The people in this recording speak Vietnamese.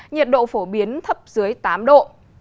nhiệt độ phổ biến thấp dưới tám độ